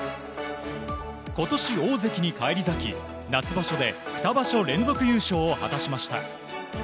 今年、大関に返り咲き夏場所で２場所連続優勝を果たしました。